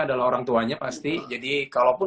adalah orang tuanya pasti jadi kalaupun